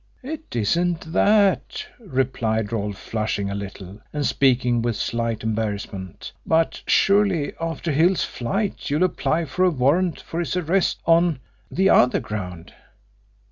"It isn't that," replied Rolfe, flushing a little, and speaking with slight embarrassment. "But surely after Hill's flight you'll apply for a warrant for his arrest on the other ground."